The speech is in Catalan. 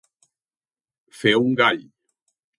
Fer un gall.